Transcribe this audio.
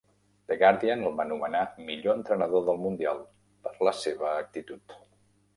The Guardian el va nomenar "Millor entrenador del mundial" per la seva actitud.